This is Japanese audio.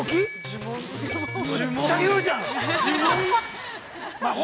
◆めっちゃ言うじゃん！